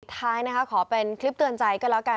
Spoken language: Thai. ท้ายนะคะขอเป็นคลิปเตือนใจก็แล้วกัน